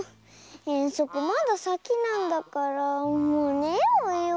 えんそくまださきなんだからもうねようよ。